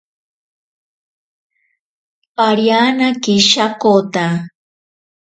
Parianake shakota.